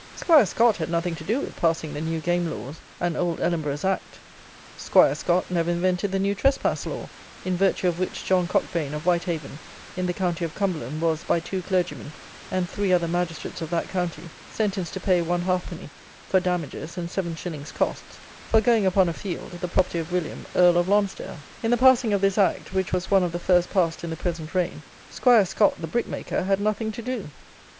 'Squire Scot had nothing to do with passing the New Game laws and Old Ellenborough's Act; 'Squire Scot never invented the New Trespass law, in virtue of which John Cockbain of Whitehaven in the county of Cumberland was, by two clergymen and three other magistrates of that county, sentenced to pay one half penny for damages and seven shillings costs, for going upon a field, the property of William, Earl of Lonsdale. In the passing of this Act, which was one of the first passed in the present reign, 'Squire Scot, the brickmaker, had nothing to do.